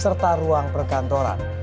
serta ruang perkantoran